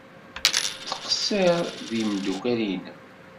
Ttqeṣṣir ed yimeddukal-nnem.